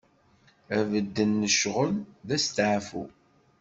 Abeddel n ccɣel, d asteɛfu.